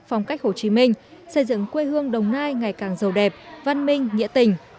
phong cách hồ chí minh xây dựng quê hương đồng nai ngày càng giàu đẹp văn minh nghĩa tình